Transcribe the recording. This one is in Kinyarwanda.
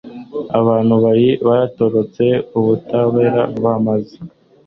abantu bari baratorotse ubutabera bamaze